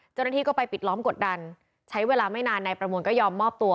เจ้าหน้าที่ก็ไปปิดล้อมกดดันใช้เวลาไม่นานนายประมวลก็ยอมมอบตัว